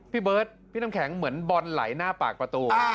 พี่เบิร์ดพี่น้ำแข็งเหมือนบอลไหลหน้าปากประตู